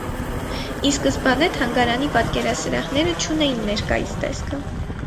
Ի սկզբանե թանգարանի պատկերասրահները չունեին ներկայիս տեսքը։